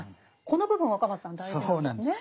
この部分若松さん大事なんですね。